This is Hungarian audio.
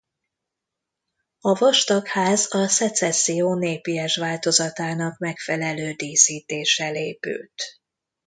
A Vastag-ház a szecesszió népies változatának megfelelő díszítéssel épült.